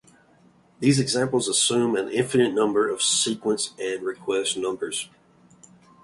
These examples assume an infinite number of sequence and request numbers.